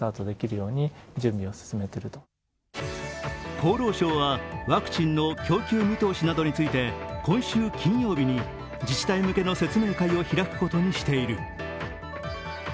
厚労省はワクチンの供給見通しなどについて、今週金曜日に自治体向けの説明会を開くことにしている。